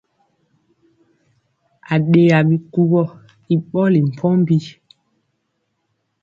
Aɗeya bikuwɔ i ɓɔli mpɔmbi.